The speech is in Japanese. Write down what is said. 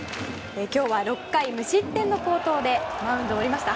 今日は６回無失点の好投でマウンドを降りました。